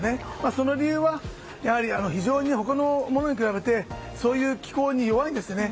その理由は、やはり非常に他のものと比べてそういう気候に弱いんですね。